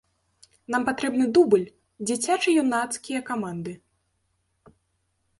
Нам патрэбны дубль, дзіцяча-юнацкія каманды.